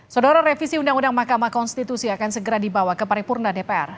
saudara revisi undang undang mahkamah konstitusi akan segera dibawa ke paripurna dpr